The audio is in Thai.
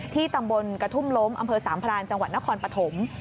ตำบลกระทุ่มล้มอำเภอสามพรานจังหวัดนครปฐม